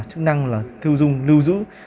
chức năng là thu dung lưu giữ